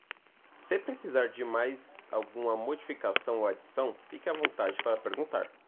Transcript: Se precisar de mais alguma modificação ou adição, fique à vontade para perguntar!